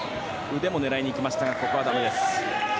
腕も狙いにいきましたがここはだめです。